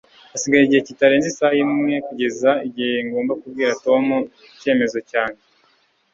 Hasigaye igihe kitarenze isaha kugeza igihe ngomba kubwira Tom icyemezo cyanjye.